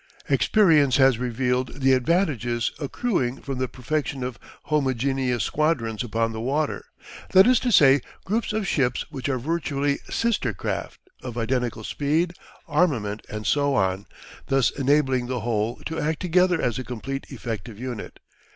Experience has revealed the advantages accruing from the perfection of homogeneous squadrons upon the water, that is to say groups of ships which are virtually sister craft of identical speed, armament, and so on, thus enabling the whole to act together as a complete effective unit.